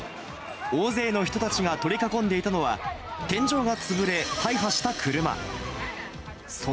大勢の人たちが取り囲んでいたのは、天井が潰れ、大破した車。